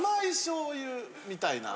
みたいな。